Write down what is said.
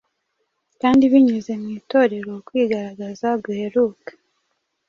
kandi binyuze mu Itorero, ukwigaragaza guheruka